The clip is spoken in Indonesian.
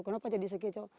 kenapa jadi sakeco